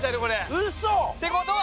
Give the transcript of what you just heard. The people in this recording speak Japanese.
ウソ！？ってことは？